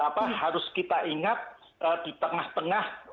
apa harus kita ingat di tengah tengah